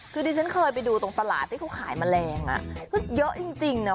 คือที่ฉันเคยไปดูตรงตลาดที่เขาขายแมลงอ่ะเยอะจริงจริงน่ะ